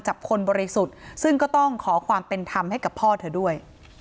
จับคนบริสุทธิ์ซึ่งก็ต้องขอความเป็นธรรมให้กับพ่อเธอด้วย